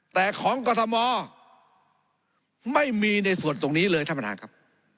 แต่ของกรทมไม่มีในส่วนตรงนี้เลยท่านประธานครับ